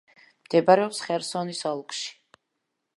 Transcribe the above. მდებარეობს ხერსონის ოლქში.